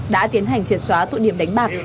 đã tiến hành triệt xóa tụi điểm đánh bạc